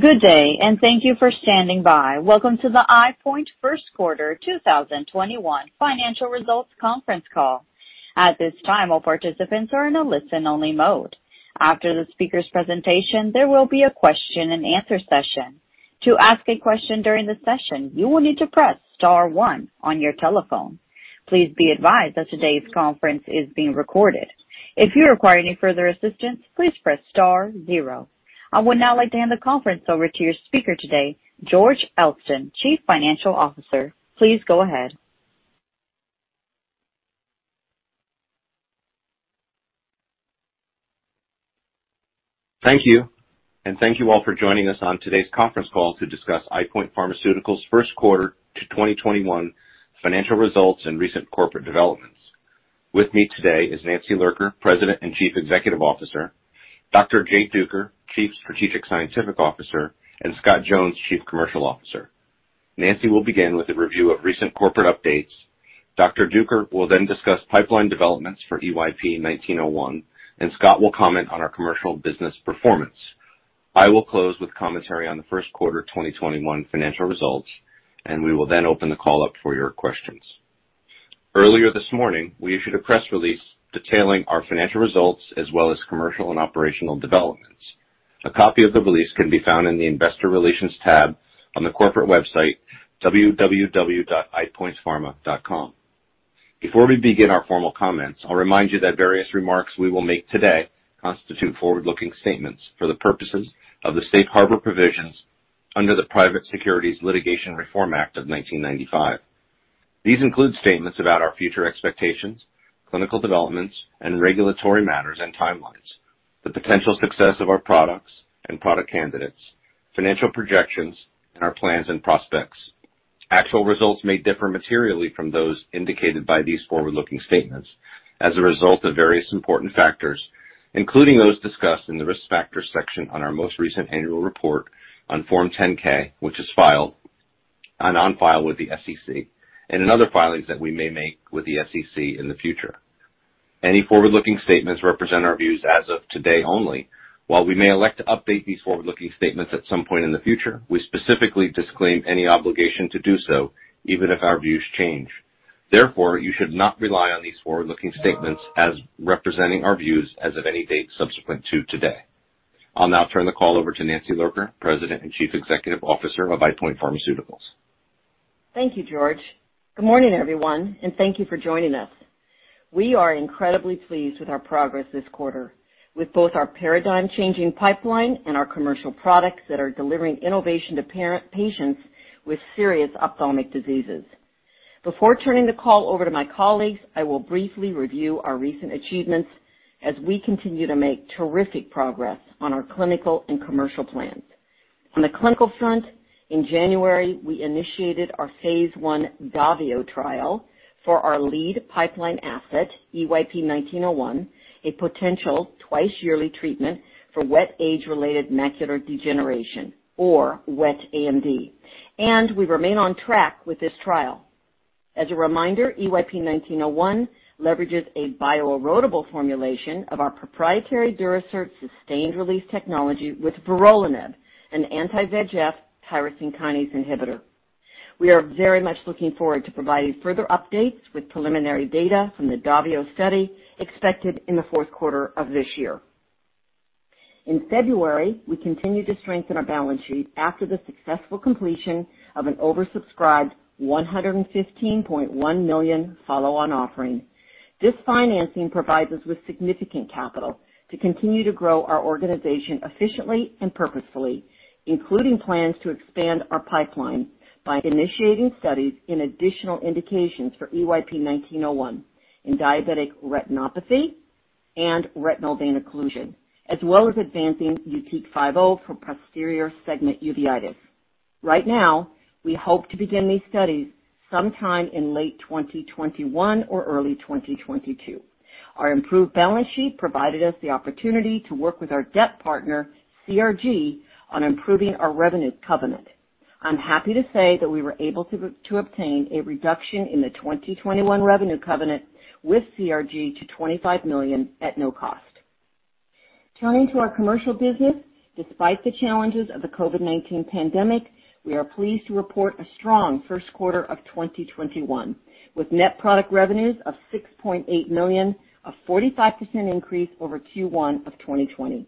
Good day, and thank you for standing by. Welcome to the EyePoint First Quarter 2021 Financial Results Conference Call. At this time, all participants are in a listen-only mode. After the speaker's presentation, there will be a question and answer session. To ask a question during the session, you will need to press star one on your telephone. Please be advised that today's conference is being recorded. If you require any further assistance, please press star zero. I would now like to hand the conference over to your speaker today, George Elston, Chief Financial Officer. Please go ahead. Thank you, and thank you all for joining us on today's conference call to discuss EyePoint Pharmaceuticals' first quarter to 2021 financial results and recent corporate developments. With me today is Nancy Lurker, President and Chief Executive Officer, Dr. Jay Duker, Chief Strategic Scientific Officer, and Scott Jones, Chief Commercial Officer. Nancy will begin with a review of recent corporate updates. Dr. Duker will then discuss pipeline developments for EYP-1901, and Scott will comment on our commercial business performance. I will close with commentary on the first quarter 2021 financial results, and we will then open the call up for your questions. Earlier this morning, we issued a press release detailing our financial results as well as commercial and operational developments. A copy of the release can be found in the investor relations tab on the corporate website, www.eyepointpharma.com. Before we begin our formal comments, I'll remind you that various remarks we will make today constitute forward-looking statements for the purposes of the safe harbor provisions under the Private Securities Litigation Reform Act of 1995. These include statements about our future expectations, clinical developments, and regulatory matters and timelines, the potential success of our products and product candidates, financial projections, and our plans and prospects. Actual results may differ materially from those indicated by these forward-looking statements as a result of various important factors, including those discussed in the risk factors section on our most recent annual report on Form 10-K, which is filed and on file with the SEC, and in other filings that we may make with the SEC in the future. Any forward-looking statements represent our views as of today only. While we may elect to update these forward-looking statements at some point in the future, we specifically disclaim any obligation to do so, even if our views change. Therefore, you should not rely on these forward-looking statements as representing our views as of any date subsequent to today. I'll now turn the call over to Nancy Lurker, President and Chief Executive Officer of EyePoint Pharmaceuticals. Thank you, George. Good morning, everyone, and thank you for joining us. We are incredibly pleased with our progress this quarter with both our paradigm-changing pipeline and our commercial products that are delivering innovation to patients with serious ophthalmic diseases. Before turning the call over to my colleagues, I will briefly review our recent achievements as we continue to make terrific progress on our clinical and commercial plans. On the clinical front, in January, we initiated our phase I DAVIO trial for our lead pipeline asset, EYP-1901, a potential twice-yearly treatment for wet age-related macular degeneration, or wet AMD, and we remain on track with this trial. As a reminder, EYP-1901 leverages a bio-erodible formulation of our proprietary Durasert sustained release technology with vorolanib, an anti-VEGF tyrosine kinase inhibitor. We are very much looking forward to providing further updates with preliminary data from the DAVIO study expected in the fourth quarter of this year. In February, we continued to strengthen our balance sheet after the successful completion of an oversubscribed $115.1 million follow-on offering. This financing provides us with significant capital to continue to grow our organization efficiently and purposefully, including plans to expand our pipeline by initiating studies in additional indications for EYP-1901 in diabetic retinopathy and retinal vein occlusion, as well as advancing YUTIQ 50 for posterior segment uveitis. Right now, we hope to begin these studies sometime in late 2021 or early 2022. Our improved balance sheet provided us the opportunity to work with our debt partner, CRG, on improving our revenue covenant. I'm happy to say that we were able to obtain a reduction in the 2021 revenue covenant with CRG to $25 million at no cost. Turning to our commercial business, despite the challenges of the COVID-19 pandemic, we are pleased to report a strong first quarter of 2021, with net product revenues of $6.8 million, a 45% increase over Q1 of 2020.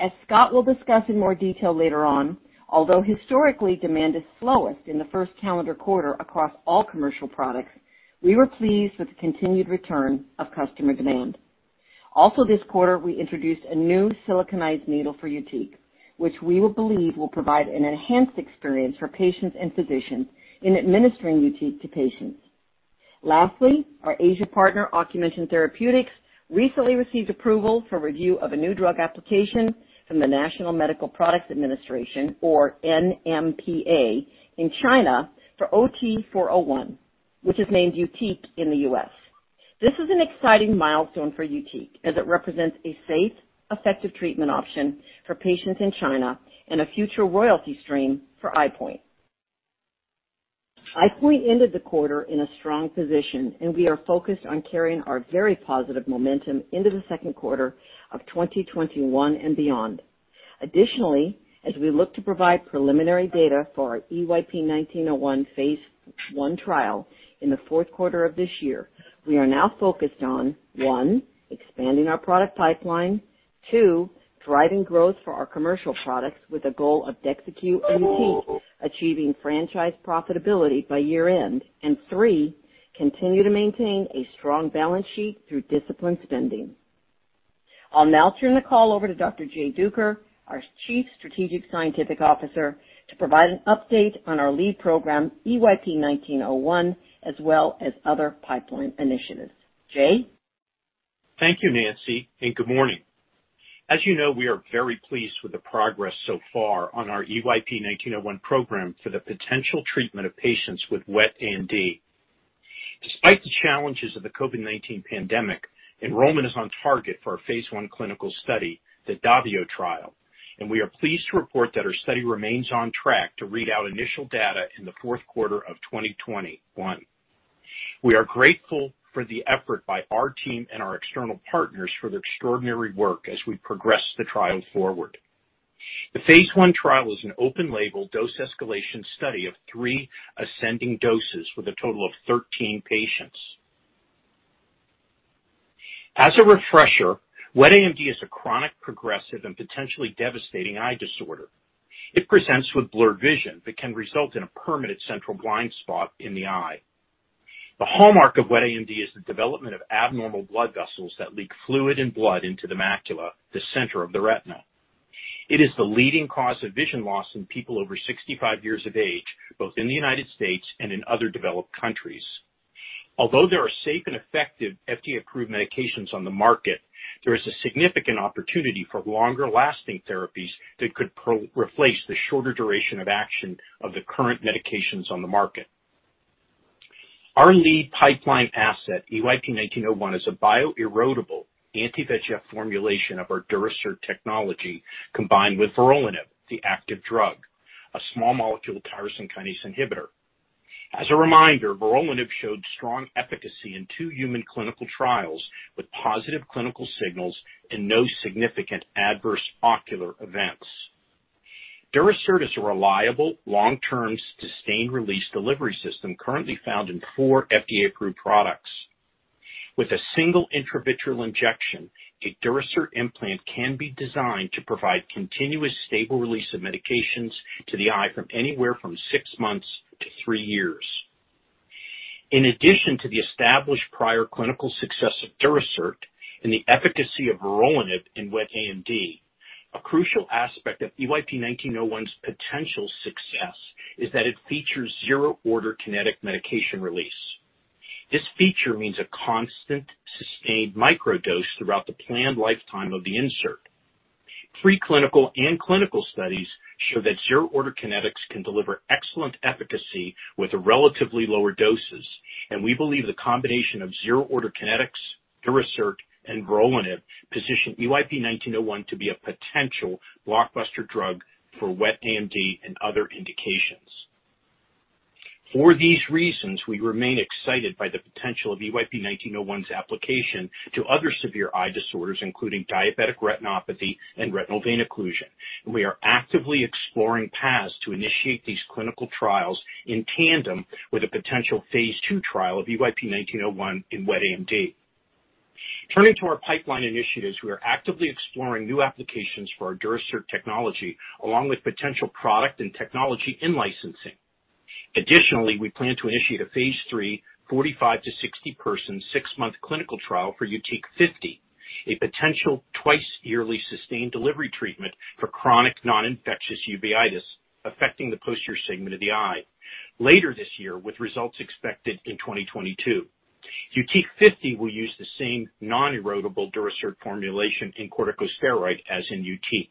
As Scott will discuss in more detail later on, although historically demand is slowest in the first calendar quarter across all commercial products, we were pleased with the continued return of customer demand. Also this quarter, we introduced a new siliconized needle for YUTIQ, which we believe will provide an enhanced experience for patients and physicians in administering YUTIQ to patients. Lastly, our Asia partner, Ocumension Therapeutics, recently received approval for review of a new drug application from the National Medical Products Administration, or NMPA, in China for OT-401, which is named YUTIQ in the U.S. This is an exciting milestone for YUTIQ, as it represents a safe, effective treatment option for patients in China and a future royalty stream for EyePoint. EyePoint ended the quarter in a strong position, we are focused on carrying our very positive momentum into the second quarter of 2021 and beyond. Additionally, as we look to provide preliminary data for our EYP-1901 phase I trial in the fourth quarter of this year, we are now focused on, one, expanding our product pipeline. Two, driving growth for our commercial products with a goal of DEXYCU and YUTIQ achieving franchise profitability by year end. Three, continue to maintain a strong balance sheet through disciplined spending. I'll now turn the call over to Dr. Jay Duker, our Chief Strategic Scientific Officer, to provide an update on our lead program, EYP-1901, as well as other pipeline initiatives. Jay? Thank you, Nancy. Good morning. As you know, we are very pleased with the progress so far on our EYP-1901 program for the potential treatment of patients with wet AMD. Despite the challenges of the COVID-19 pandemic, enrollment is on target for our phase I clinical study, the DAVIO trial. We are pleased to report that our study remains on track to read out initial data in the fourth quarter of 2021. We are grateful for the effort by our team and our external partners for their extraordinary work as we progress the trial forward. The phase I trial is an open label dose escalation study of three ascending doses with a total of 13 patients. As a refresher, wet AMD is a chronic, progressive, and potentially devastating eye disorder. It presents with blurred vision that can result in a permanent central blind spot in the eye. The hallmark of wet AMD is the development of abnormal blood vessels that leak fluid and blood into the macula, the center of the retina. It is the leading cause of vision loss in people over 65 years of age, both in the United States and in other developed countries. Although there are safe and effective FDA-approved medications on the market, there is a significant opportunity for longer-lasting therapies that could replace the shorter duration of action of the current medications on the market. Our lead pipeline asset, EYP-1901, is a bio-erodible anti-VEGF formulation of our Durasert technology, combined with vorolanib, the active drug, a small molecule tyrosine kinase inhibitor. As a reminder, vorolanib showed strong efficacy in two human clinical trials with positive clinical signals and no significant adverse ocular events. Durasert is a reliable, long-term, sustained release delivery system currently found in four FDA-approved products. With a single intravitreal injection, a Durasert implant can be designed to provide continuous, stable release of medications to the eye from anywhere from six months to three years. In addition to the established prior clinical success of Durasert and the efficacy of vorolanib in wet AMD, a crucial aspect of EYP-1901's potential success is that it features zero order kinetic medication release. This feature means a constant, sustained micro dose throughout the planned lifetime of the insert. Pre-clinical and clinical studies show that zero order kinetics can deliver excellent efficacy with relatively lower doses, and we believe the combination of zero order kinetics, Durasert, and vorolanib position EYP-1901 to be a potential blockbuster drug for wet AMD and other indications. For these reasons, we remain excited by the potential of EYP-1901's application to other severe eye disorders, including diabetic retinopathy and retinal vein occlusion. We are actively exploring paths to initiate these clinical trials in tandem with a potential Phase II trial of EYP-1901 in wet AMD. Turning to our pipeline initiatives, we are actively exploring new applications for our Durasert technology, along with potential product and technology in licensing. Additionally, we plan to initiate a Phase III 45-60 person, 6-month clinical trial for YUTIQ 50, a potential twice yearly sustained delivery treatment for chronic non-infectious uveitis affecting the posterior segment of the eye later this year, with results expected in 2022. YUTIQ 50 will use the same non-erodible Durasert formulation in corticosteroid as in YUTIQ.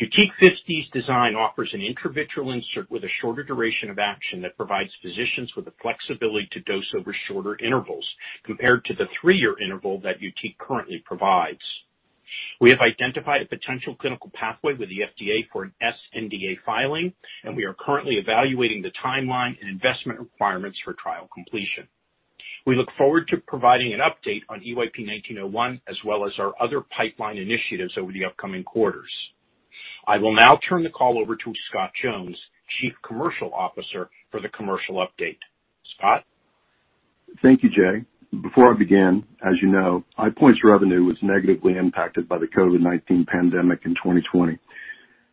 YUTIQ 50's design offers an intravitreal insert with a shorter duration of action that provides physicians with the flexibility to dose over shorter intervals compared to the 3-year interval that YUTIQ currently provides. We have identified a potential clinical pathway with the FDA for an sNDA filing, and we are currently evaluating the timeline and investment requirements for trial completion. We look forward to providing an update on EYP-1901, as well as our other pipeline initiatives over the upcoming quarters. I will now turn the call over to Scott Jones, Chief Commercial Officer, for the commercial update. Scott? Thank you, Jay. Before I begin, as you know, EyePoint's revenue was negatively impacted by the COVID-19 pandemic in 2020.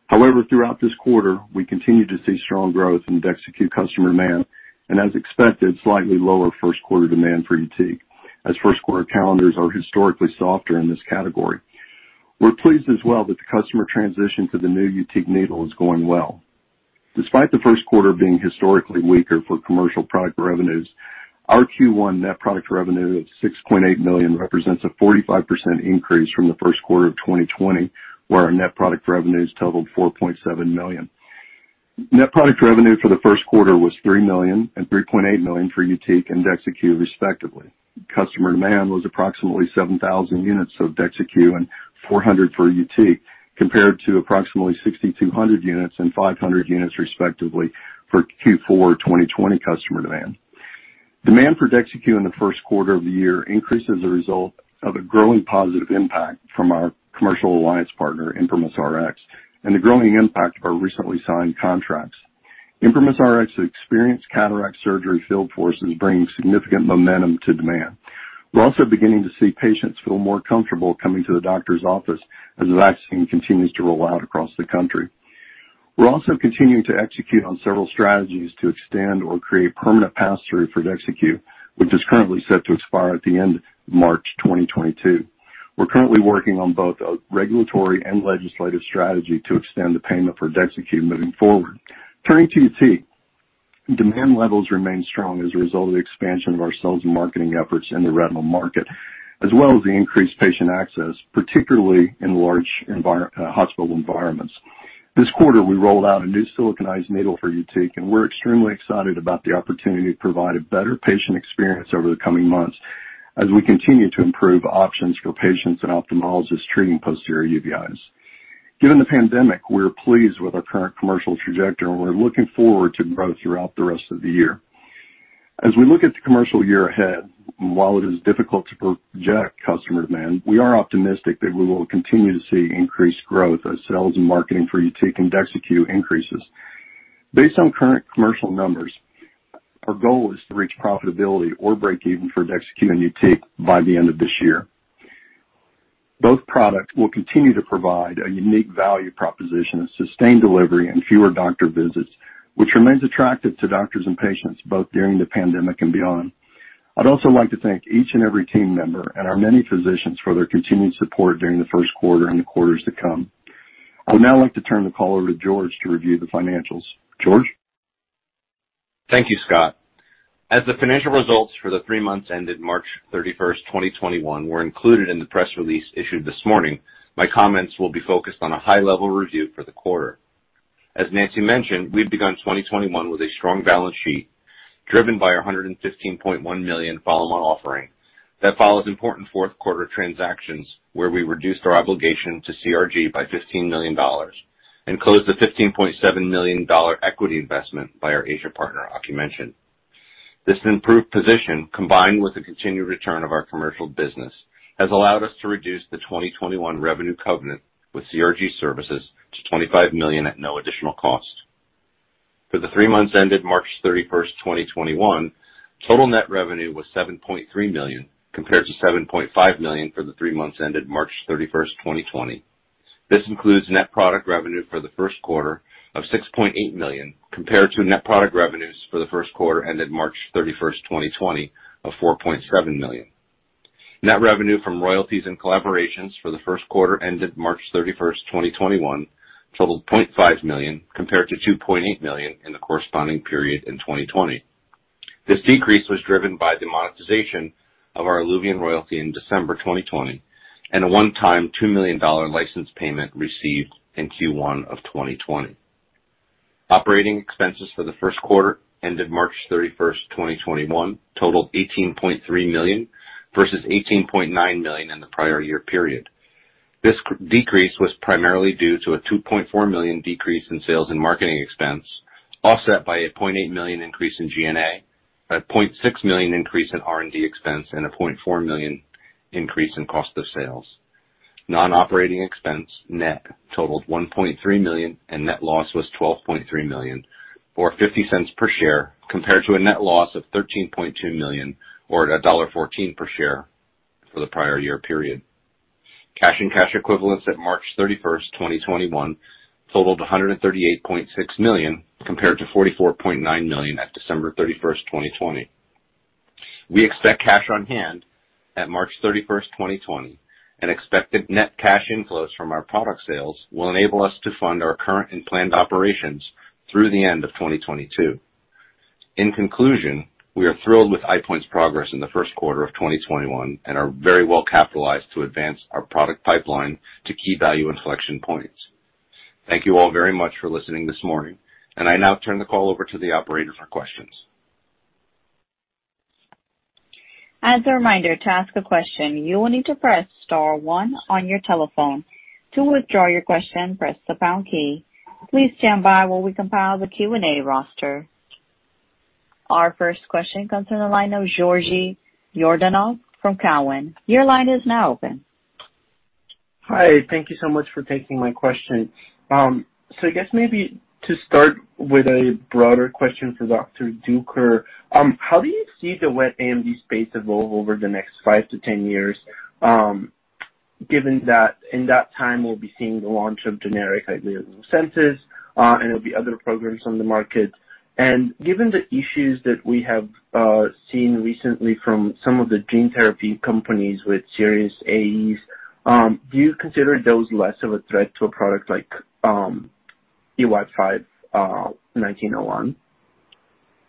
However, throughout this quarter, we continue to see strong growth in DEXYCU customer demand and, as expected, slightly lower first quarter demand for YUTIQ, as first quarter calendars are historically softer in this category. We're pleased as well that the customer transition to the new YUTIQ needle is going well. Despite the first quarter being historically weaker for commercial product revenues, our Q1 net product revenue of $6.8 million represents a 45% increase from the first quarter of 2020, where our net product revenues totaled $4.7 million. Net product revenue for the first quarter was $3 million and $3.8 million for YUTIQ and DEXYCU, respectively. Customer demand was approximately 7,000 units of DEXYCU and 400 for YUTIQ, compared to approximately 6,200 units and 500 units respectively for Q4 2020 customer demand. Demand for DEXYCU in the first quarter of the year increased as a result of a growing positive impact from our commercial alliance partner, ImprimisRx, and the growing impact of our recently signed contracts. ImprimisRx's experienced cataract surgery field force is bringing significant momentum to demand. We're also beginning to see patients feel more comfortable coming to the doctor's office as the vaccine continues to roll out across the country. We're also continuing to execute on several strategies to extend or create permanent pass-through for DEXYCU, which is currently set to expire at the end of March 2022. We're currently working on both a regulatory and legislative strategy to extend the payment for DEXYCU moving forward. Turning to YUTIQ. Demand levels remain strong as a result of the expansion of our sales and marketing efforts in the retinal market, as well as the increased patient access, particularly in large hospital environments. This quarter, we rolled out a new siliconized needle for YUTIQ, and we're extremely excited about the opportunity to provide a better patient experience over the coming months as we continue to improve options for patients and ophthalmologists treating posterior uveitis. Given the pandemic, we are pleased with our current commercial trajectory, and we're looking forward to growth throughout the rest of the year. As we look at the commercial year ahead, while it is difficult to project customer demand, we are optimistic that we will continue to see increased growth as sales and marketing for YUTIQ and DEXYCU increases. Based on current commercial numbers, our goal is to reach profitability or break even for DEXYCU and YUTIQ by the end of this year. Both products will continue to provide a unique value proposition of sustained delivery and fewer doctor visits, which remains attractive to doctors and patients both during the pandemic and beyond. I'd also like to thank each and every team member and our many physicians for their continued support during the first quarter and the quarters to come. I would now like to turn the call over to George to review the financials. George? Thank you, Scott. As the financial results for the three months ended March 31, 2021 were included in the press release issued this morning, my comments will be focused on a high-level review for the quarter. As Nancy mentioned, we've begun 2021 with a strong balance sheet driven by a $115.1 million follow-on offering. That follows important fourth quarter transactions where we reduced our obligation to CRG by $15 million and closed a $15.7 million equity investment by our Asia partner, OcuMension. This improved position, combined with the continued return of our commercial business, has allowed us to reduce the 2021 revenue covenant with CRG Services to $25 million at no additional cost. For the three months ended March 31, 2021, total net revenue was $7.3 million compared to $7.5 million for the three months ended March 31, 2020. This includes net product revenue for the first quarter of $6.8 million compared to net product revenues for the first quarter ended March 31st, 2020 of $4.7 million. Net revenue from royalties and collaborations for the first quarter ended March 31st, 2021 totaled $0.5 million compared to $2.8 million in the corresponding period in 2020. This decrease was driven by the monetization of our ILUVIEN royalty in December 2020 and a one-time $2 million license payment received in Q1 of 2020. Operating expenses for the first quarter ended March 31st, 2021 totaled $18.3 million versus $18.9 million in the prior year period. This decrease was primarily due to a $2.4 million decrease in sales and marketing expense, offset by a $0.8 million increase in G&A, a $0.6 million increase in R&D expense, and a $0.4 million increase in cost of sales. Non-operating expense net totaled $1.3 million, and net loss was $12.3 million, or $0.50 per share compared to a net loss of $13.2 million or $1.14 per share for the prior year period. Cash and cash equivalents at March 31, 2021 totaled $138.6 million compared to $44.9 million at December 31, 2020. We expect cash on hand at March 31, 2020, and expected net cash inflows from our product sales will enable us to fund our current and planned operations through the end of 2022. In conclusion, we are thrilled with EyePoint's progress in the first quarter of 2021 and are very well capitalized to advance our product pipeline to key value inflection points. Thank you all very much for listening this morning, and I now turn the call over to the operator for questions. [As a reminder, to ask a question, you will need to press star one on your telephone. To withdraw your question, press the back key. Please stand by while we compile the Q&A.] Our first question comes from the line of Georgi Yordanov from Cowen. Your line is now open. Hi. Thank you so much for taking my question. I guess maybe to start with a broader question for Dr. Duker. How do you see the wet AMD space evolve over the next 5-10 years, given that in that time, we'll be seeing the launch of generic EYLEA and Lucentis, and there'll be other programs on the market. Given the issues that we have seen recently from some of the gene therapy companies with serious AEs, do you consider those less of a threat to a product like EYP-1901?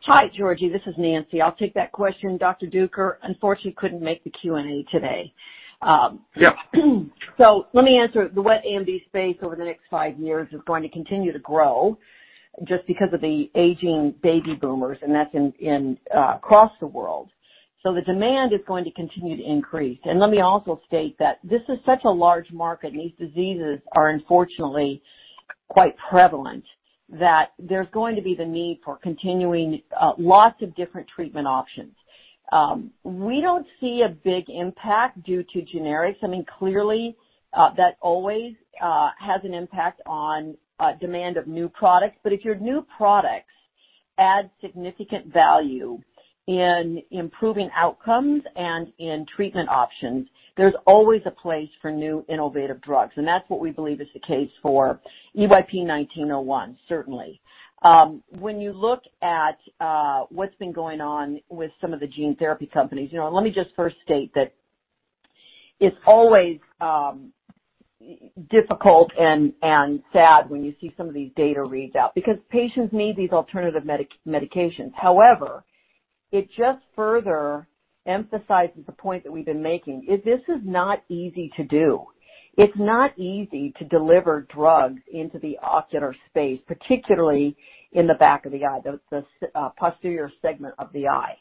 Hi, Georgi. This is Nancy. I'll take that question. Dr. Duker, unfortunately, couldn't make the Q&A today. Yeah. Let me answer. The wet AMD space over the next five years is going to continue to grow just because of the aging baby boomers, and that's across the world. The demand is going to continue to increase. Let me also state that this is such a large market, and these diseases are unfortunately quite prevalent, that there's going to be the need for continuing lots of different treatment options. We don't see a big impact due to generics. Clearly, that always has an impact on demand of new products. If your new products add significant value in improving outcomes and in treatment options, there's always a place for new innovative drugs, and that's what we believe is the case for EYP-1901, certainly. When you look at what's been going on with some of the gene therapy companies, let me just first state that it's always difficult and sad when you see some of these data reads out, because patients need these alternative medications. However, it just further emphasizes the point that we've been making, is this is not easy to do. It's not easy to deliver drugs into the ocular space, particularly in the back of the eye, the posterior segment of the eye.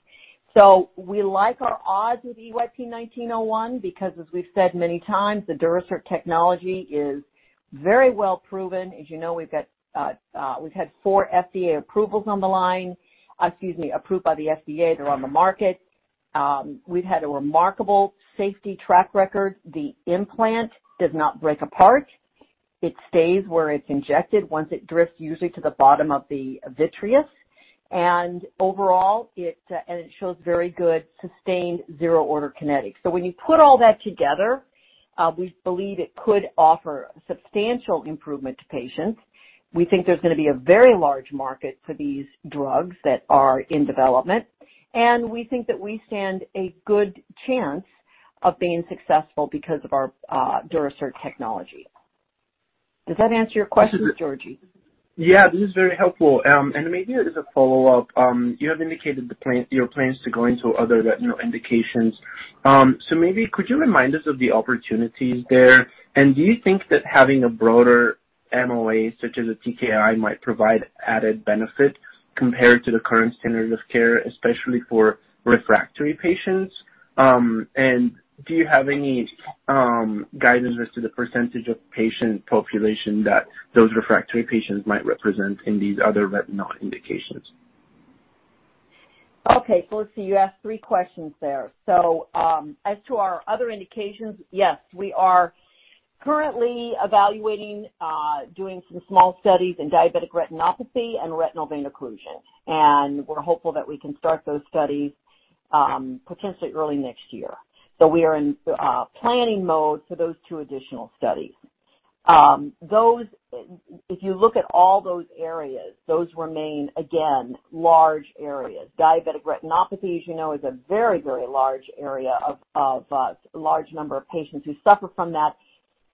We like our odds with EYP-1901 because, as we've said many times, the Durasert technology is very well proven. As you know, we've had four FDA approvals on the line. Excuse me, approved by the FDA. They're on the market. We've had a remarkable safety track record. The implant does not break apart. It stays where it's injected once it drifts, usually to the bottom of the vitreous. Overall, it shows very good sustained zero-order kinetics. When you put all that together, we believe it could offer substantial improvement to patients. We think there's going to be a very large market for these drugs that are in development, and we think that we stand a good chance of being successful because of our Durasert technology. Does that answer your question, Georgi? Yeah. This is very helpful. Maybe as a follow-up, you have indicated your plans to go into other retinal indications. Maybe could you remind us of the opportunities there? Do you think that having a broader MOA, such as a TKI, might provide added benefit compared to the current standards of care, especially for refractory patients? Do you have any guidance as to the percentage of patient population that those refractory patients might represent in these other retinal indications? Okay. Let's see. You asked three questions there. As to our other indications, yes, we are currently evaluating doing some small studies in diabetic retinopathy and retinal vein occlusion, and we're hopeful that we can start those studies potentially early next year. We are in planning mode for those two additional studies. If you look at all those areas, those remain, again, large areas. Diabetic retinopathy, as you know, is a very large area of a large number of patients who suffer from that.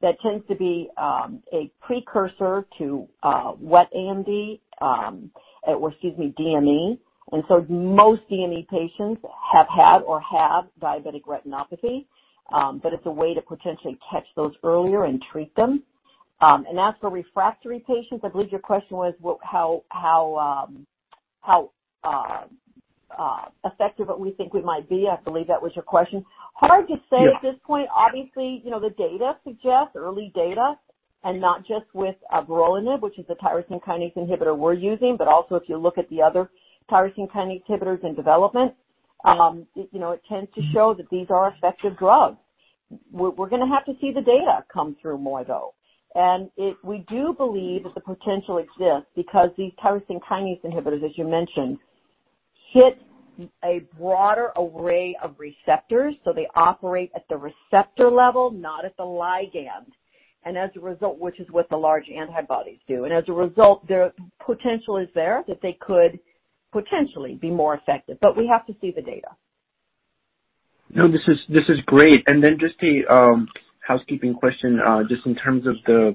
That tends to be a precursor to wet AMD, or excuse me, DME. Most DME patients have had or have diabetic retinopathy. It's a way to potentially catch those earlier and treat them. As for refractory patients, I believe your question was, how effective we think we might be. I believe that was your question. Yeah. At this point. Obviously, the data suggests, early data, not just with vorolanib, which is the tyrosine kinase inhibitor we're using, but also if you look at the other tyrosine kinase inhibitors in development, it tends to show that these are effective drugs. We're going to have to see the data come through more, though. We do believe that the potential exists because these tyrosine kinase inhibitors, as you mentioned, hit a broader array of receptors, so they operate at the receptor level, not at the ligand, which is what the large antibodies do. As a result, their potential is there that they could potentially be more effective, but we have to see the data. No, this is great. Then just a housekeeping question, just in terms of the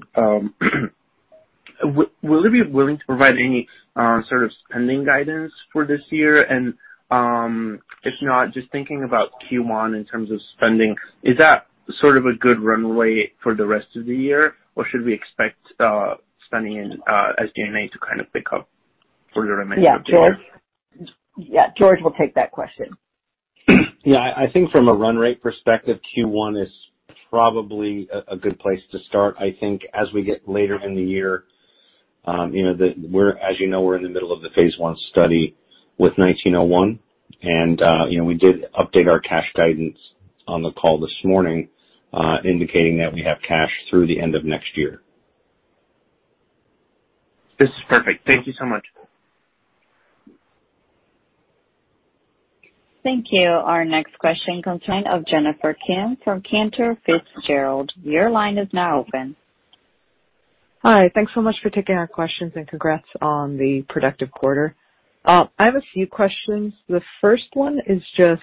will you be willing to provide any sort of spending guidance for this year? If not, just thinking about Q1 in terms of spending, is that sort of a good run rate for the rest of the year, or should we expect spending in sNDA to kind of pick up for the remainder of the year? Yeah. George will take that question. I think from a run rate perspective, Q1 is probably a good place to start. I think as we get later in the year, as you know, we're in the middle of the phase I study with EYP-1901, and we did update our cash guidance on the call this morning, indicating that we have cash through the end of next year. This is perfect. Thank you so much. Thank you. Our next question comes in of Jennifer Kim from Cantor Fitzgerald. Your line is now open. Hi. Thanks so much for taking our questions and congrats on the productive quarter. I have a few questions. The first one is justIs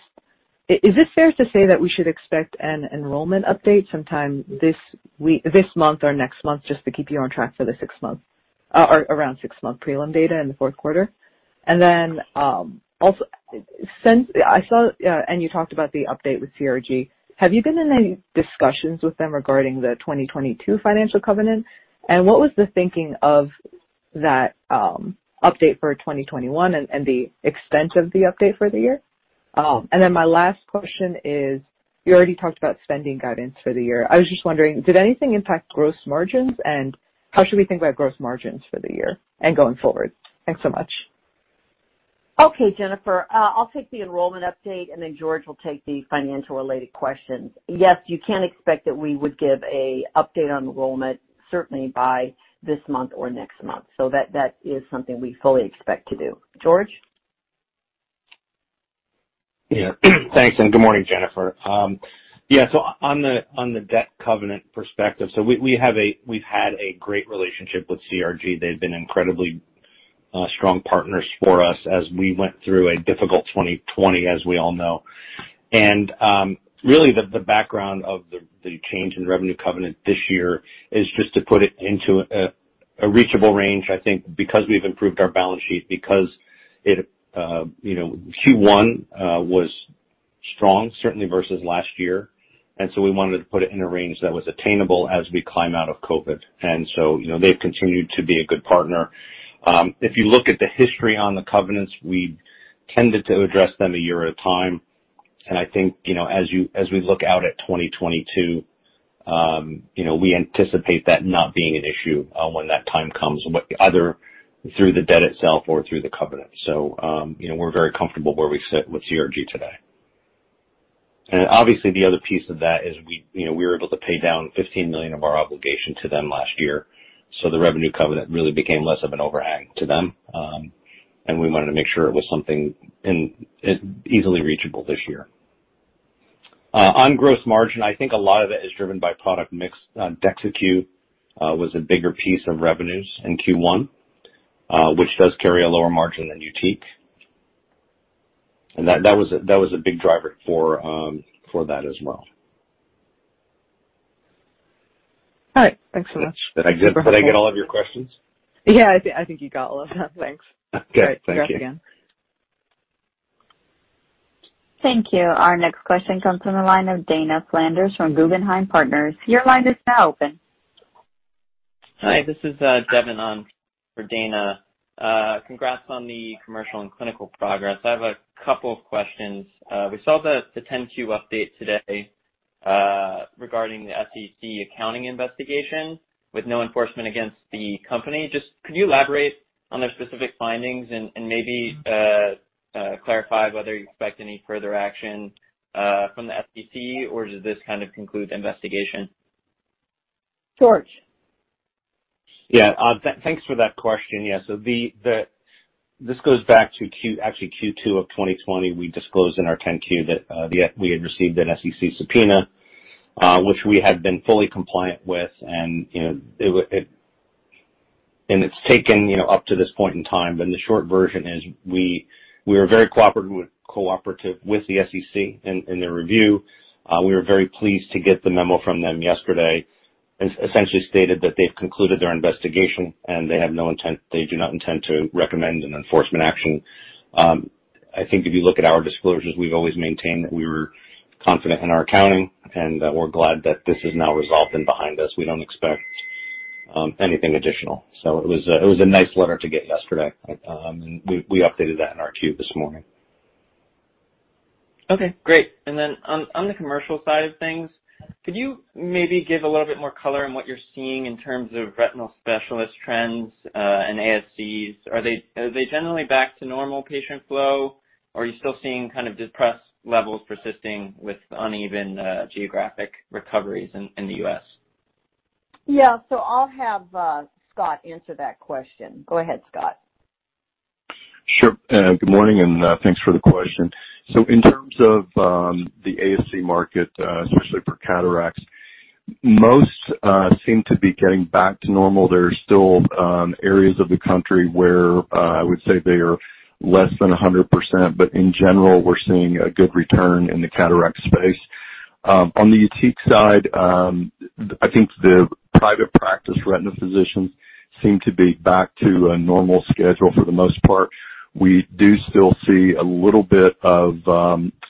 it fair to say that we should expect an enrollment update sometime this month or next month just to keep you on track for the six-month or around six-month prelim data in the fourth quarter? Also, I saw, and you talked about the update with CRG. Have you been in any discussions with them regarding the 2022 financial covenant, and what was the thinking of that update for 2021 and the extent of the update for the year? My last question is, you already talked about spending guidance for the year. I was just wondering, did anything impact gross margins, and how should we think about gross margins for the year and going forward? Thanks so much. Okay, Jennifer. I'll take the enrollment update, and then George will take the financial-related questions. Yes, you can expect that we would give an update on enrollment certainly by this month or next month. That is something we fully expect to do. George? Thanks, and good morning, Jennifer. On the debt covenant perspective, we've had a great relationship with CRG. They've been incredibly strong partners for us as we went through a difficult 2020, as we all know. Really the background of the change in revenue covenant this year is just to put it into a reachable range, I think, because we've improved our balance sheet, because Q1 was strong, certainly versus last year, we wanted to put it in a range that was attainable as we climb out of COVID. They've continued to be a good partner. If you look at the history on the covenants, we tended to address them a year at a time, and I think, as we look out at 2022, we anticipate that not being an issue when that time comes, either through the debt itself or through the covenant. We're very comfortable where we sit with CRG today. Obviously the other piece of that is we were able to pay down $15 million of our obligation to them last year, so the revenue covenant really became less of an overhang to them. We wanted to make sure it was something easily reachable this year. On gross margin, I think a lot of it is driven by product mix. DEXYCU was a bigger piece of revenues in Q1, which does carry a lower margin than YUTIQ. That was a big driver for that as well. All right. Thanks so much. Did I get all of your questions? Yeah, I think you got all of them. Thanks. Okay. Thank you. Congrats again. Thank you. Our next question comes from the line of Dana Flanders from Guggenheim Partners. Your line is now open. Hi, this is Devin on for Dana. Congrats on the commercial and clinical progress. I have a couple of questions. We saw the 10-Q update today regarding the SEC accounting investigation with no enforcement against the company. Just could you elaborate on their specific findings and maybe clarify whether you expect any further action from the SEC, or does this kind of conclude the investigation? George. Thanks for that question. This goes back to actually Q2 of 2020. We disclosed in our 10-Q that we had received an SEC subpoena, which we had been fully compliant with, and it's taken up to this point in time. The short version is we were very cooperative with the SEC in their review. We were very pleased to get the memo from them yesterday, essentially stated that they've concluded their investigation, and they do not intend to recommend an enforcement action. I think if you look at our disclosures, we've always maintained that we were confident in our accounting, and we're glad that this is now resolved and behind us. We don't expect anything additional. It was a nice letter to get yesterday. We updated that in our Q this morning. Okay, great. On the commercial side of things, could you maybe give a little bit more color on what you're seeing in terms of retinal specialist trends, and ASCs? Are they generally back to normal patient flow, or are you still seeing kind of depressed levels persisting with uneven geographic recoveries in the U.S.? Yeah. I'll have Scott answer that question. Go ahead, Scott. Good morning, and thanks for the question. In terms of the ASC market, especially for cataracts, most seem to be getting back to normal. There are still areas of the country where I would say they are less than 100%, in general, we're seeing a good return in the cataract space. On the YUTIQ side, I think the private practice retina physicians seem to be back to a normal schedule for the most part. We do still see a little bit of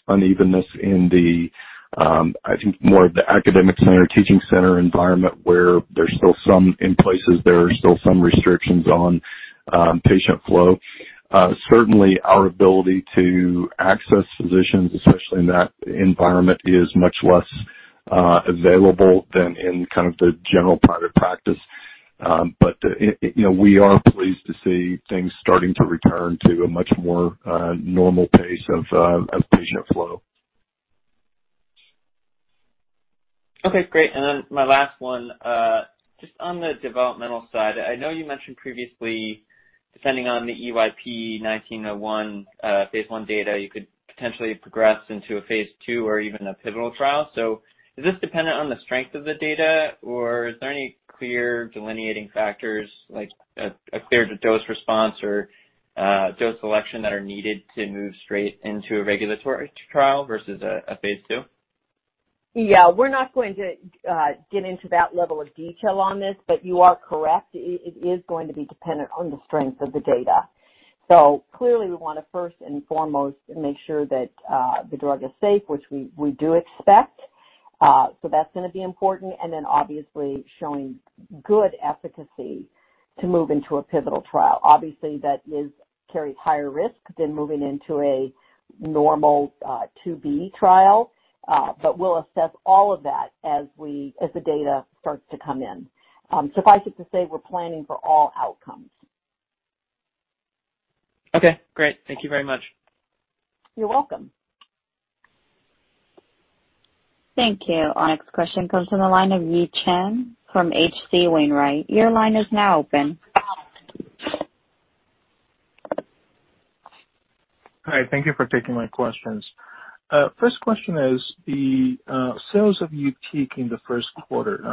unevenness in the, I think more of the academic center, teaching center environment, where there's still some in places, there are still some restrictions on patient flow. Our ability to access physicians, especially in that environment, is much less available than in kind of the general private practice. We are pleased to see things starting to return to a much more normal pace of patient flow. Okay, great. My last one, just on the developmental side, I know you mentioned previously, depending on the EYP-1901 phase I data, you could potentially progress into a phase II or even a pivotal trial. Is this dependent on the strength of the data, or is there any clear delineating factors, like a clear dose response or dose selection that are needed to move straight into a regulatory trial versus a phase II? Yeah, we're not going to get into that level of detail on this, you are correct. It is going to be dependent on the strength of the data. Clearly we want to first and foremost make sure that the drug is safe, which we do expect. That's going to be important and then obviously showing good efficacy to move into a pivotal trial. Obviously, that carries higher risk than moving into a normal 2B trial. We'll assess all of that as the data starts to come in. Suffice it to say, we're planning for all outcomes. Okay, great. Thank you very much. You're welcome. Thank you. Our next question comes from the line of Yi Chen from H.C. Wainwright. Your line is now open. Hi. Thank you for taking my questions. First question is the sales of YUTIQ in the first quarter.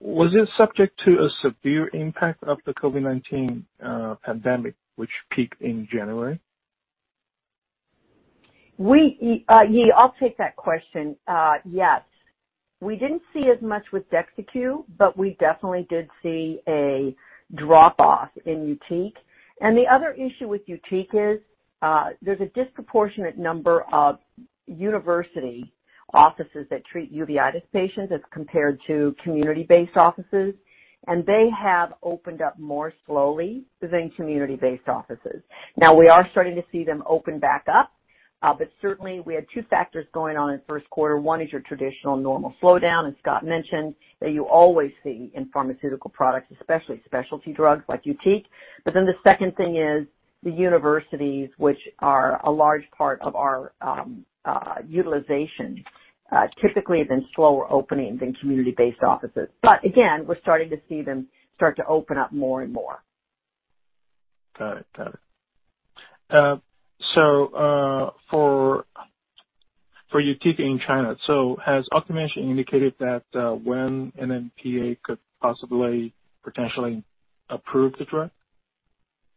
Was it subject to a severe impact of the COVID-19 pandemic, which peaked in January? Yi, I'll take that question. Yes. We didn't see as much with DEXYCU. We definitely did see a drop-off in YUTIQ. The other issue with YUTIQ is, there's a disproportionate number of university offices that treat uveitis patients as compared to community-based offices, and they have opened up more slowly than community-based offices. Now we are starting to see them open back up. Certainly we had two factors going on in the first quarter. One is your traditional normal slowdown, as Scott mentioned, that you always see in pharmaceutical products, especially specialty drugs like YUTIQ. The second thing is the universities, which are a large part of our utilization, typically have been slower opening than community-based offices. Again, we're starting to see them start to open up more and more. Got it. For YUTIQ in China, has OcuMension indicated that when an NMPA could possibly potentially approve the drug?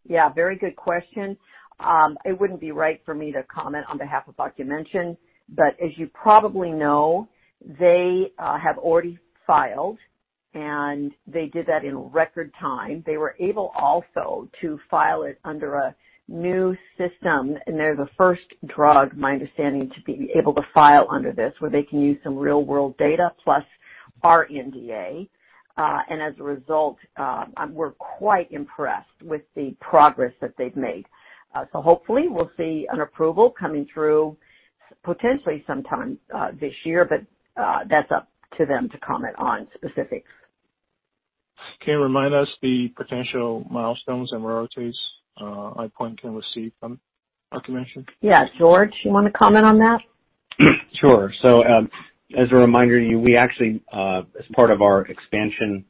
Yeah, very good question. It wouldn't be right for me to comment on behalf of OcuMension, but as you probably know, they have already filed, and they did that in record time. They were able also to file it under a new system, and they're the first drug, my understanding, to be able to file under this, where they can use some real-world data plus our NDA. As a result, we're quite impressed with the progress that they've made. Hopefully we'll see an approval coming through potentially sometime this year, but that's up to them to comment on specifics. Can you remind us the potential milestones and royalties EyePoint can receive from OcuMension? Yeah. George, you want to comment on that? Sure. As a reminder to you, we actually, as part of our expansion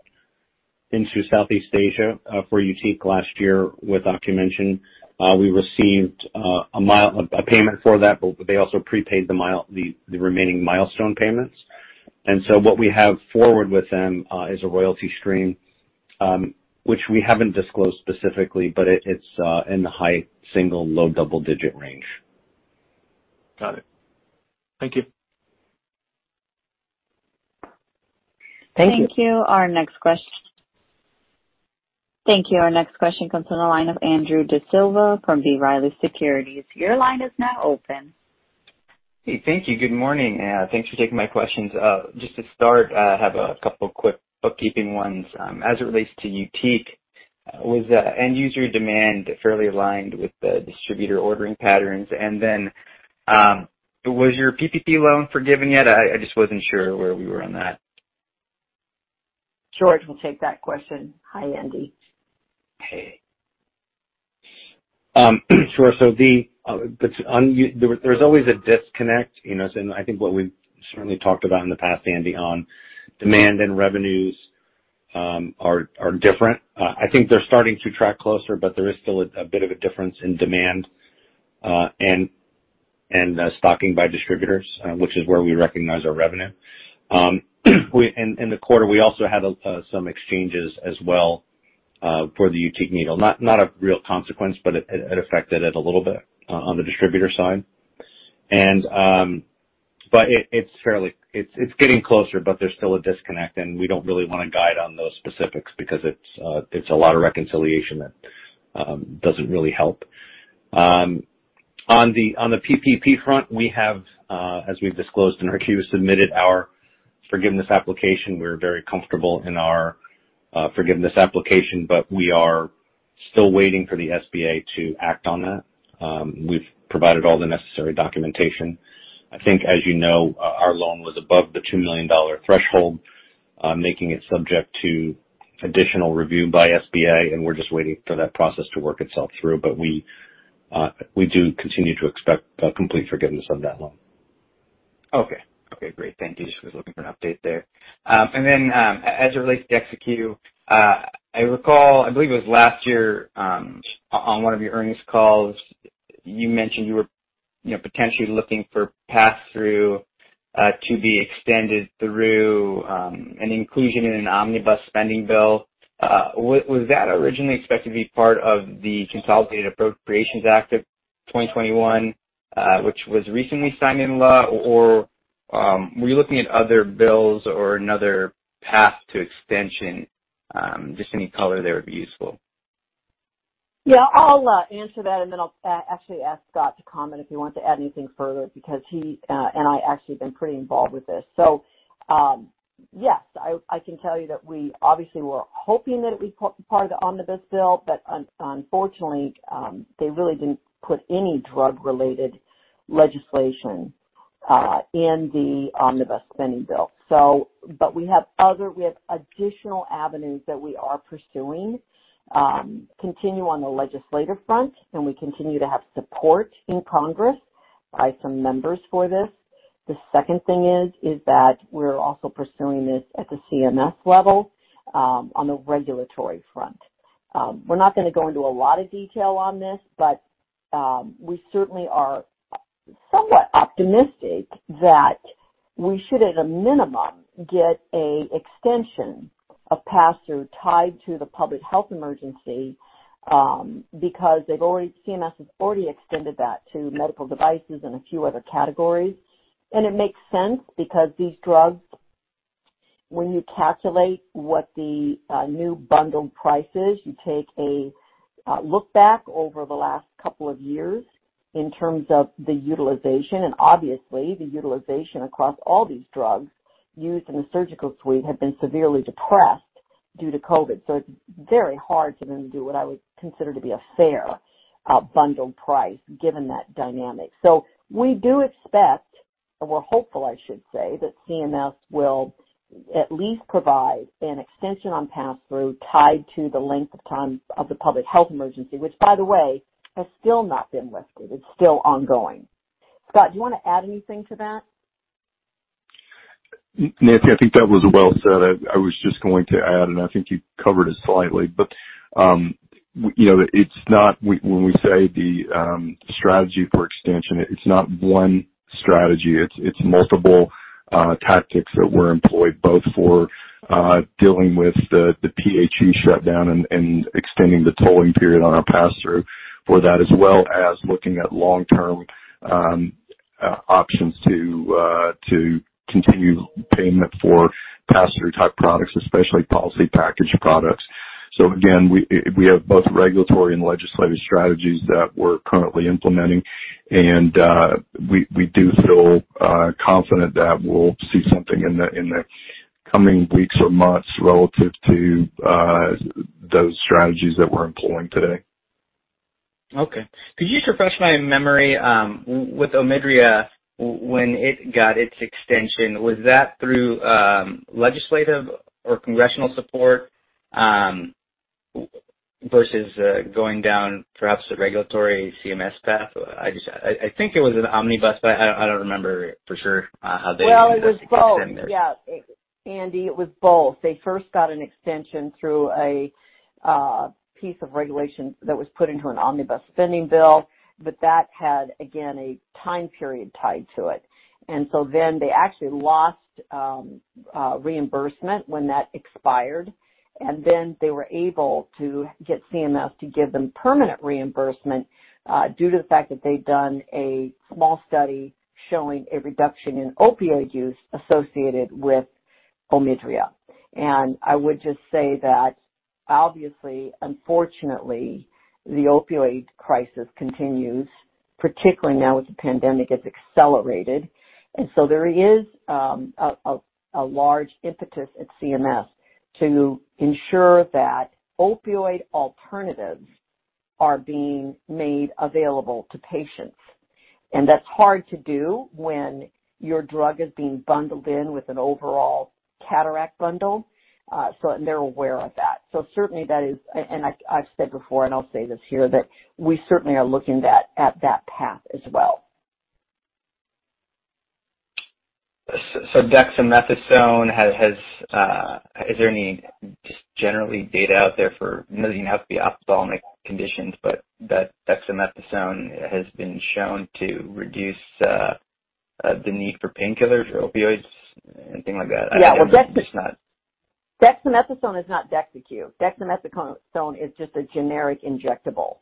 into Southeast Asia for YUTIQ last year with Ocumension, we received a payment for that, but they also prepaid the remaining milestone payments. What we have forward with them is a royalty stream, which we haven't disclosed specifically, but it's in the high single, low double-digit range. Got it. Thank you. Thank you. Thank you. Our next question comes from the line of Andrew D'Silva from B. Riley Securities. Your line is now open. Hey, thank you. Good morning. Thanks for taking my questions. Just to start, I have a couple of quick bookkeeping ones. As it relates to YUTIQ, was the end user demand fairly aligned with the distributor ordering patterns? Was your PPP loan forgiven yet? I just wasn't sure where we were on that. George will take that question. Hi, Andy. Hey. Sure. There's always a disconnect, as in I think what we've certainly talked about in the past, Andy, on demand and revenues are different. I think they're starting to track closer, but there is still a bit of a difference in demand, and stocking by distributors, which is where we recognize our revenue. In the quarter, we also had some exchanges as well, for the YUTIQ needle. Not of real consequence, but it affected it a little bit on the distributor side. It's getting closer, but there's still a disconnect, and we don't really want to guide on those specifics because it's a lot of reconciliation that doesn't really help. On the PPP front, we have, as we've disclosed in our Q, submitted our forgiveness application. We're very comfortable in our forgiveness application, but we are still waiting for the SBA to act on that. We've provided all the necessary documentation. I think as you know, our loan was above the $2 million threshold, making it subject to additional review by SBA. We're just waiting for that process to work itself through. We do continue to expect complete forgiveness of that loan. Okay. Great. Thank you. Just was looking for an update there. As it relates to DEXYCU, I recall, I believe it was last year, on one of your earnings calls, you mentioned you were potentially looking for passthrough to be extended through an inclusion in an omnibus spending bill. Was that originally expected to be part of the Consolidated Appropriations Act of 2021, which was recently signed into law, or were you looking at other bills or another path to extension? Just any color there would be useful. Yeah, I'll answer that, and then I'll actually ask Scott to comment if he wants to add anything further, because he and I actually have been pretty involved with this. Yes, I can tell you that we obviously were hoping that it would be part of the Omnibus Bill. Unfortunately, they really didn't put any drug-related legislation in the Omnibus Spending Bill. We have additional avenues that we are pursuing. We continue on the legislative front, and we continue to have support in Congress by some members for this. The second thing is that we're also pursuing this at the CMS level, on the regulatory front. We're not going to go into a lot of detail on this, but we certainly are somewhat optimistic that we should, at a minimum, get a extension of pass-through tied to the public health emergency, because CMS has already extended that to medical devices and a few other categories. [And] it makes sense because these drugs, when you calculate what the new bundled price is, you take a look back over the last couple of years in terms of the utilization, and obviously the utilization across all these drugs used in the surgical suite have been severely depressed due to COVID. It's very hard for them to do what I would consider to be a fair bundled price given that dynamic. [So,] we do expect, or we're hopeful, I should say, that CMS will at least provide an extension on pass-through tied to the length of time of the public health emergency, which, by the way, has still not been lifted. It's still ongoing. Scott, do you want to add anything to that? Nancy, I think that was well said. I was just going to add, and I think you covered it slightly, but when we say the strategy for extension, it's not one strategy. It's multiple tactics that were employed both for dealing with the PHE shutdown and extending the tolling period on our pass-through for that as well as looking at long-term options to continue payment for pass-through type products, especially policy package products. Again, we have both regulatory and legislative strategies that we're currently implementing. We do feel confident that we'll see something in the coming weeks or months relative to those strategies that we're employing today. Okay. Could you refresh my memory with Omidria when it got its extension, was that through legislative or congressional support, versus going down, perhaps, the regulatory CMS path? I think it was an Omnibus, but I don't remember for sure. Well, it was both. Yeah. Andy, it was both. They first got an extension through a piece of regulation that was put into an Omnibus spending bill, that had, again, a time period tied to it. They actually lost reimbursement when that expired. They were able to get CMS to give them permanent reimbursement due to the fact that they'd done a small study showing a reduction in opioid use associated with Omidria. I would just say that obviously, unfortunately, the opioid crisis continues, particularly now with the pandemic, it's accelerated. There is a large impetus at CMS to ensure that opioid alternatives are being made available to patients. That's hard to do when your drug is being bundled in with an overall cataract bundle. They're aware of that. Certainly that is, and I've said before, and I'll say this here, that we certainly are looking at that path as well. Dexamethasone, is there any just generally data out there for, nothing has to be ophthalmic conditions, but that dexamethasone has been shown to reduce the need for painkillers or opioids, anything like that? Yeah. Just not. Dexamethasone is not Dexamethasone Q. dexamethasone is just a generic injectable.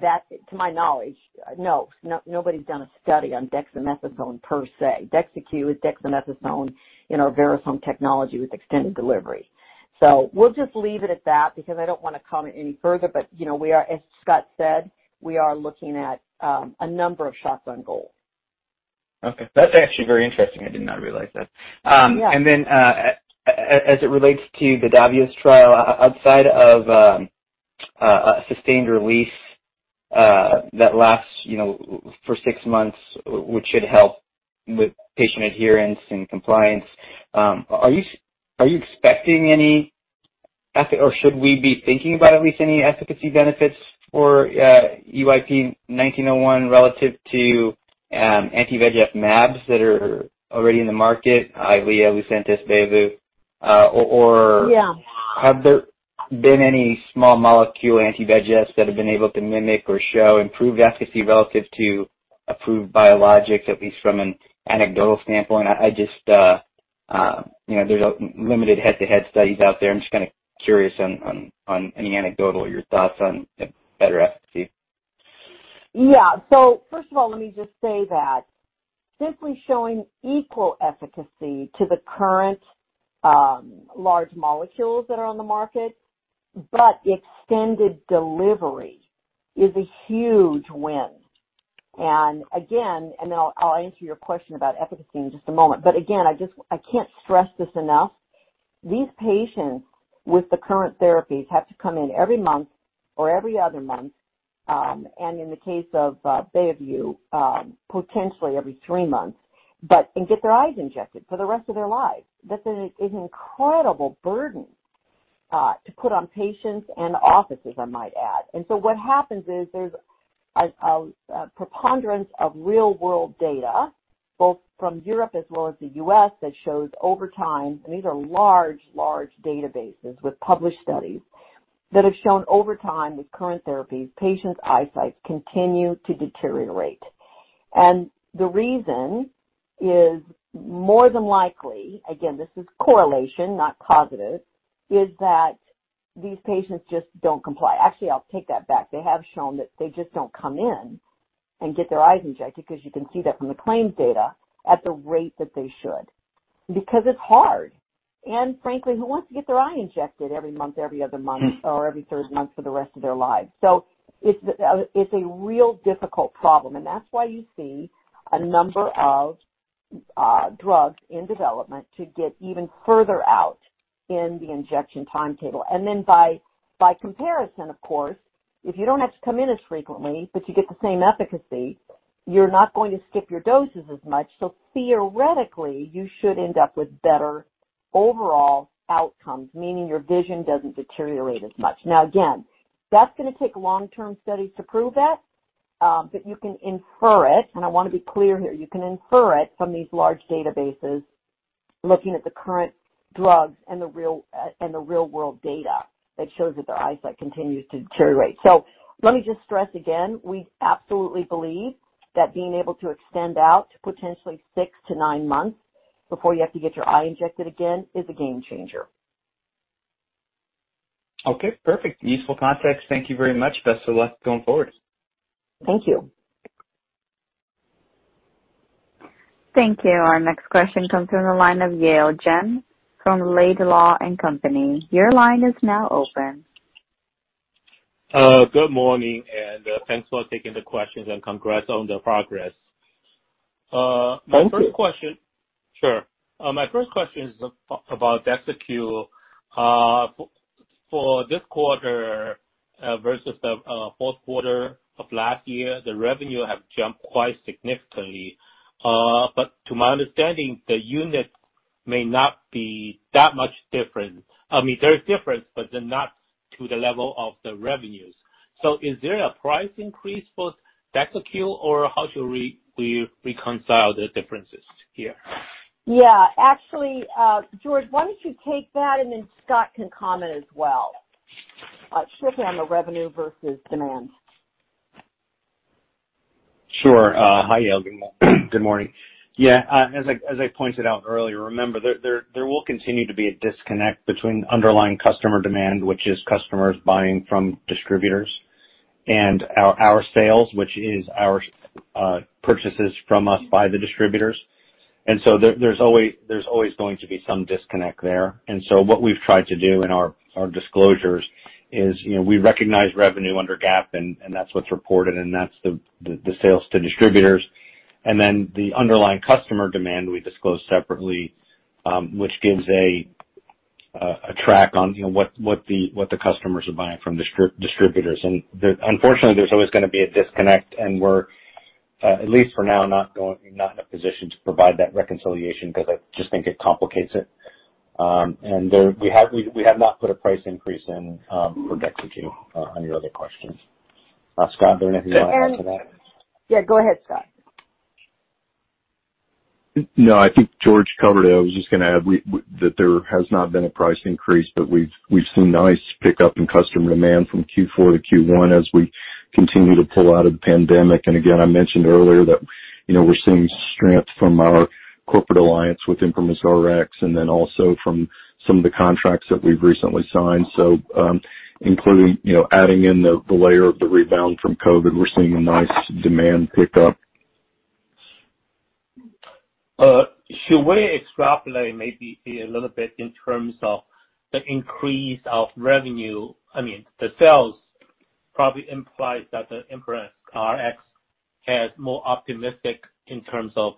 That, to my knowledge, no, nobody's done a study on dexamethasone per se. Dexamethasone Q is dexamethasone in our Verisome technology with extended delivery. We'll just leave it at that because I don't want to comment any further. As Scott said, we are looking at a number of shots on goal. Okay. That's actually very interesting. I did not realize that. Yeah. As it relates to the DAVIO trial, outside of a sustained release that lasts for six months, which should help with patient adherence and compliance, are you expecting any, or should we be thinking about at least any efficacy benefits for EYP-1901 relative to anti-VEGF MABS that are already in the market, EYLEA, Lucentis, BEOVU. Yeah. Have there been any small molecule anti-VEGFs that have been able to mimic or show improved efficacy relative to approved biologics, at least from an anecdotal standpoint? There's limited head-to-head studies out there. I'm just curious on any anecdotal, your thoughts on better efficacy. Yeah. First of all, let me just say that simply showing equal efficacy to the current large molecules that are on the market, but extended delivery is a huge win. Again, I'll answer your question about efficacy in just a moment. Again, I can't stress this enough. These patients with the current therapies have to come in every month or every other month, and in the case of BEOVU, potentially every three months, and get their eyes injected for the rest of their lives. That is an incredible burden to put on patients and offices, I might add. What happens is there's a preponderance of real-world data, both from Europe as well as the U.S., that shows over time, and these are large databases with published studies, that have shown over time with current therapies, patients' eyesight continue to deteriorate. [And] the reason is more than likely, again, this is correlation, not causative, is that these patients just don't comply. Actually, I'll take that back. They have shown that they just don't come in and get their eyes injected, because you can see that from the claims data, at the rate that they should. It's hard. Frankly, who wants to get their eye injected every month, every other month, or every third month for the rest of their lives? It's a real difficult problem, and that's why you see a number of drugs in development to get even further out in the injection timetable. [And then] by comparison, of course, if you don't have to come in as frequently, but you get the same efficacy, you're not going to skip your doses as much. Theoretically, you should end up with better overall outcomes, meaning your vision doesn't deteriorate as much. Again, that's going to take long-term studies to prove that, but you can infer it, and I want to be clear here. You can infer it from these large databases looking at the current drugs and the real-world data that shows that their eyesight continues to deteriorate. Let me just stress again, we absolutely believe that being able to extend out to potentially six to nine months before you have to get your eye injected again is a game changer. Okay, perfect. Useful context. Thank you very much. Best of luck going forward. Thank you. Thank you. Our next question comes from the line of Yale Jen from Laidlaw and Company. Your line is now open. Good morning. Thanks for taking the questions and congrats on the progress. Thank you. Sure. My first question is about DEXYCU. For this quarter versus the fourth quarter of last year, the revenue have jumped quite significantly. To my understanding, the unit may not be that much different. I mean, there is difference, not to the level of the revenues. Is there a price increase for DEXYCU, or how do you reconcile the differences here? Yeah. Actually, George, why don't you take that, and then Scott can comment as well. Specifically on the revenue versus demand. Sure. Hi, Yale. Good morning. As I pointed out earlier, remember, there will continue to be a disconnect between underlying customer demand, which is customers buying from distributors, and our sales, which is our purchases from us by the distributors. There's always going to be some disconnect there. What we've tried to do in our disclosures is we recognize revenue under GAAP, and that's what's reported, and that's the sales to distributors. The underlying customer demand we disclose separately, which gives a track on what the customers are buying from distributors. Unfortunately, there's always going to be a disconnect, and we're, at least for now, not in a position to provide that reconciliation because I just think it complicates it. We have not put a price increase in for DEXYCU on your other questions. Scott, is there anything you want to add to that? Yeah, go ahead, Scott. No, I think George covered it. I was just going to add that there has not been a price increase, but we've seen nice pickup in customer demand from Q4 to Q1 as we continue to pull out of the pandemic. Again, I mentioned earlier that we're seeing strength from our corporate alliance with ImprimisRx and then also from some of the contracts that we've recently signed. Including adding in the layer of the rebound from COVID, we're seeing a nice demand pickup. Should we extrapolate maybe a little bit in terms of the increase of revenue? I mean, the sales probably imply that the ImprimisRx is more optimistic in terms of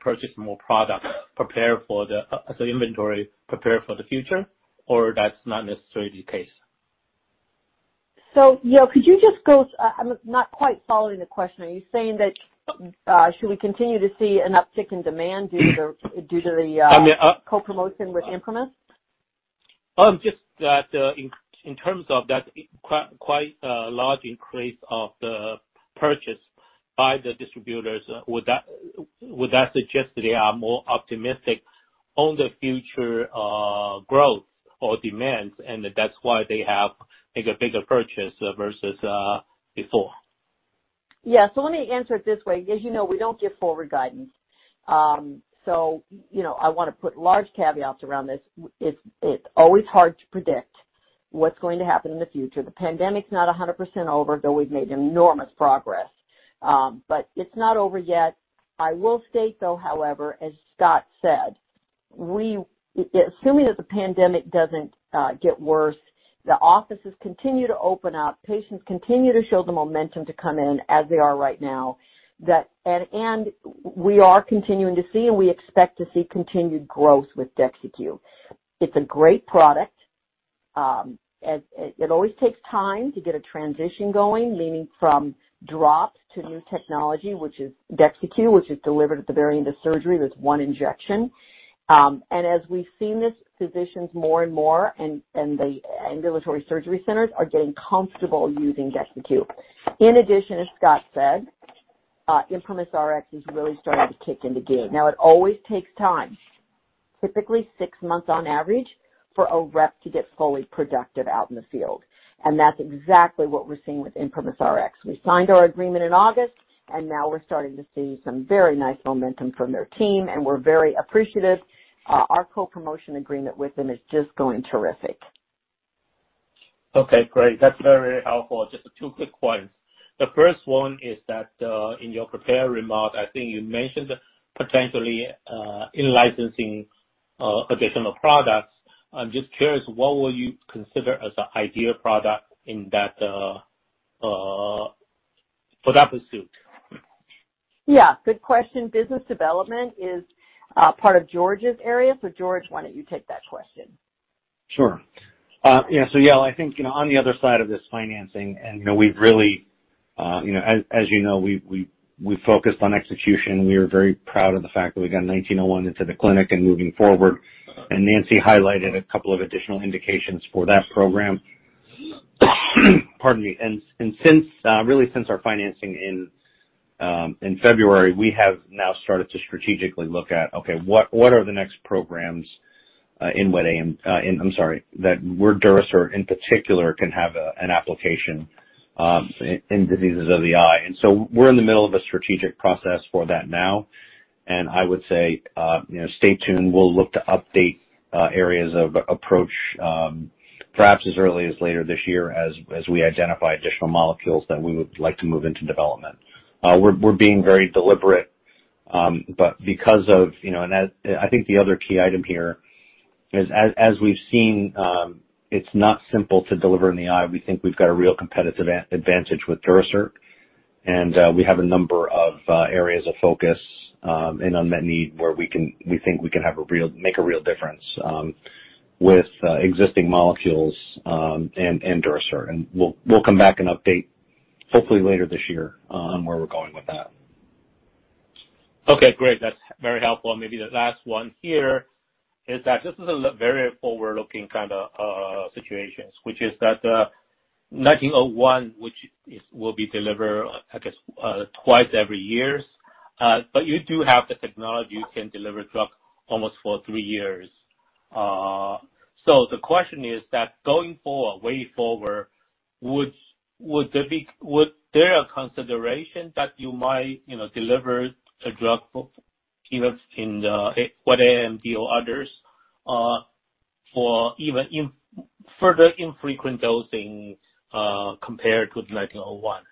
purchasing more product, as inventory prepared for the future, or that's not necessarily the case? Yale, I'm not quite following the question. Are you saying that should we continue to see an uptick in demand due to the co-promotion with ImprimisRx? Just that in terms of that quite large increase of the purchase by the distributors, would that suggest that they are more optimistic on the future growth or demands, and that's why they have make a bigger purchase versus before? Yeah. Let me answer it this way. As you know, we don't give forward guidance. I want to put large caveats around this. It's always hard to predict what's going to happen in the future. The pandemic's not 100% over, though we've made enormous progress. It's not over yet. I will state, though, however, as Scott said, assuming that the pandemic doesn't get worse, the offices continue to open up, patients continue to show the momentum to come in as they are right now, and we are continuing to see and we expect to see continued growth with DEXYCU. It's a great product. It always takes time to get a transition going, meaning from drops to new technology, which is DEXYCU, which is delivered at the very end of surgery with one injection. As we've seen this, physicians more and more, and the Ambulatory Surgery Centers are getting comfortable using DEXYCU. In addition, as Scott said, ImprimisRx has really started to kick into gear. Now, it always takes time, typically 6 months on average, for a rep to get fully productive out in the field. That's exactly what we're seeing with ImprimisRx. We signed our agreement in August, and now we're starting to see some very nice momentum from their team, and we're very appreciative. Our co-promotion agreement with them is just going terrific. Okay, great. That's very helpful. Just two quick points. The first one is that, in your prepared remarks, I think you mentioned potentially in-licensing additional products. I'm just curious, what will you consider as an ideal product for that pursuit? Yeah, good question. Business development is part of George's area. George, why don't you take that question? Sure. Yeah. I think, on the other side of this financing and as you know, we focused on execution, and we are very proud of the fact that we got 1901 into the clinic and moving forward. Nancy highlighted a couple of additional indications for that program. Pardon me. Really since our financing in February, we have now started to strategically look at, okay, what are the next programs where Durasert in particular can have an application in diseases of the eye. We're in the middle of a strategic process for that now, and I would say, stay tuned. We'll look to update areas of approach, perhaps as early as later this year, as we identify additional molecules that we would like to move into development. We're being very deliberate. I think the other key item here is, as we've seen, it's not simple to deliver in the eye. We think we've got a real competitive advantage with Durasert, and we have a number of areas of focus in unmet need where we think we can make a real difference with existing molecules and Durasert. We'll come back and update hopefully later this year on where we're going with that. Okay, great. That's very helpful. Maybe the last one here is that this is a very forward-looking kind of situations, which is that 1901, which will be delivered, I guess, twice every years. You do have the technology, you can deliver drug almost for three years. The question is that going forward, way forward, would there a consideration that you might deliver a drug for even in wet AMD or others, for even further infrequent dosing, compared with 1901?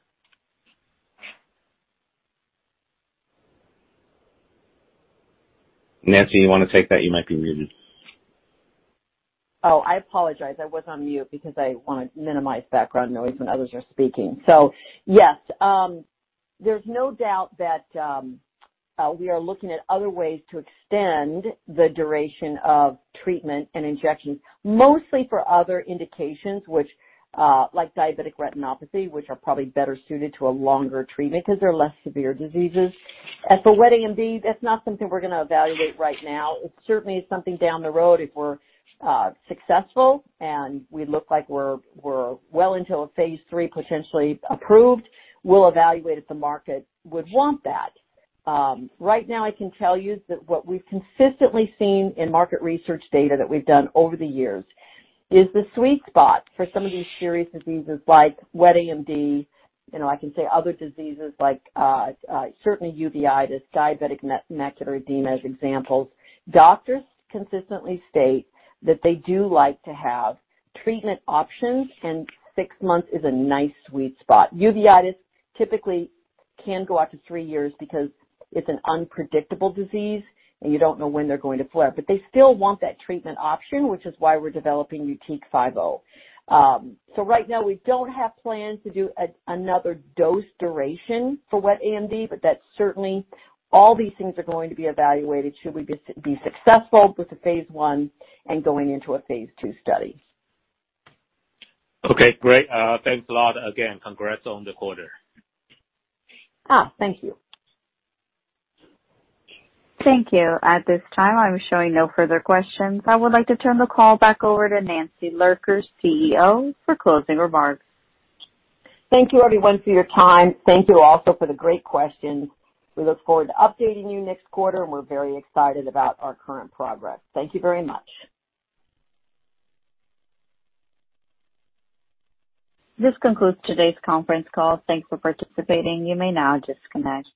Nancy, you want to take that? You might be muted. Oh, I apologize. I was on mute because I want to minimize background noise when others are speaking. Yes, there's no doubt that we are looking at other ways to extend the duration of treatment and injections, mostly for other indications, like diabetic retinopathy, which are probably better suited to a longer treatment because they're less severe diseases. For wet AMD, that's not something we're going to evaluate right now. It certainly is something down the road, if we're successful and we look like we're well until phase III potentially approved. We'll evaluate if the market would want that. Right now, I can tell you that what we've consistently seen in market research data that we've done over the years is the sweet spot for some of these serious diseases like wet AMD. I can say other diseases like, certainly uveitis, diabetic macular edema, as examples. Doctors consistently state that they do like to have treatment options, and six months is a nice sweet spot. Uveitis typically can go out to three years because it's an unpredictable disease, and you don't know when they're going to flare. They still want that treatment option, which is why we're developing YUTIQ 50. Right now, we don't have plans to do another dose duration for wet AMD, but that certainly all these things are going to be evaluated should we be successful with the phase I and going into a phase II study. Okay, great. Thanks a lot. Again, congrats on the quarter. Thank you. Thank you. At this time, I'm showing no further questions. I would like to turn the call back over to Nancy Lurker, CEO, for closing remarks. Thank you everyone for your time. Thank you also for the great questions. We look forward to updating you next quarter, and we're very excited about our current progress. Thank you very much. This concludes today's conference call. Thanks for participating. You may now disconnect.